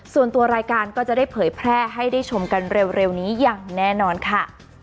ส่วนตัวรายการก็จะได้เผยแพร่ให้ได้ชมกันเร็วนี้อย่างแน่นอนค่ะ